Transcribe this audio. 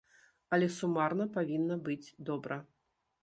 Але сумарна павінна быць добра.